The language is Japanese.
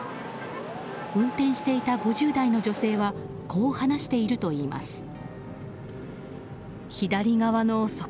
運転していた５０代の女性はこう話しているといいます。